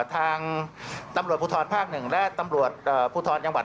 ทางตำลวดภูทรภาคหนึ่งและตำลวดอ่าภูทรยังหวัด